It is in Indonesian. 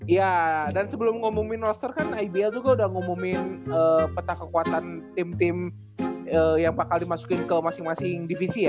ya dan sebelum ngomongin roster kan ibl juga udah ngumumin peta kekuatan tim tim yang bakal dimasukin ke masing masing divisi ya